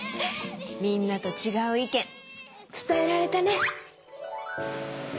みんなとちがういけんつたえられたね。